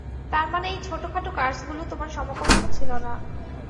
তারমানে এই ছোটখাটো কার্সগুলো তোমার সমকক্ষ ছিলো না।